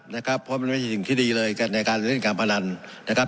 นะครับเพราะมันไม่ใช่สิ่งที่ดีเลยกันในการเล่นการพนันนะครับ